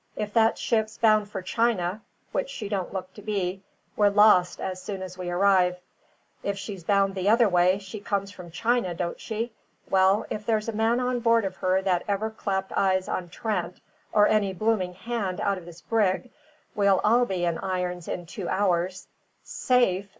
If that ship's bound for China (which she don't look to be), we're lost as soon as we arrive; if she's bound the other way, she comes from China, don't she? Well, if there's a man on board of her that ever clapped eyes on Trent or any blooming hand out of this brig, we'll all be in irons in two hours. Safe!